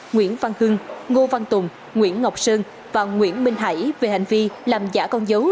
nguyễn văn hưng ngô văn tùng nguyễn ngọc sơn và nguyễn minh hải về hành vi làm giả con dấu